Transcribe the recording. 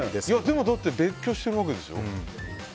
だって、別居してるわけでしょ。